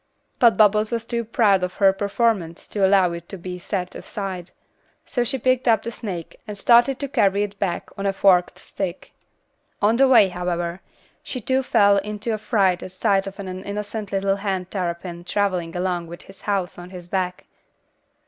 But Bubbles was too proud of her performance to allow it to be set aside; so she picked up the snake, and started to carry it back on a forked stick. On the way, however, she too fell into a fright at sight of an innocent little land terrapin traveling along with his house on his back.